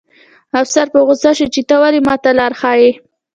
افسر په غوسه شو چې ته ولې ماته لاره ښیې